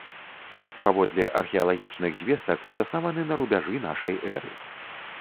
Паводле археалагічных звестак заснаваны на рубяжы нашай эры.